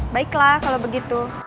baiklah kalau begitu